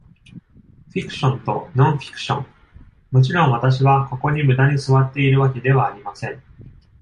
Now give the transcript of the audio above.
フィクションとノンフィクション..もちろん私はここに無駄に座っているわけではありません。